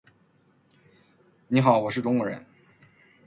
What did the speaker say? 你好，我是中国人。